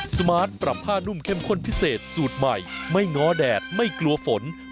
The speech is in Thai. สวัสดีครับ